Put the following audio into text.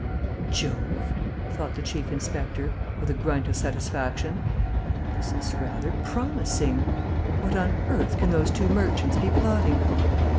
"By Jove!" thought the chief inspector, with a grunt of satisfaction. "This is rather promising.... What on earth can those two merchants be plotting?"